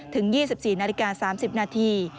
ถึง๒๔นาฬิกา๓๐นาที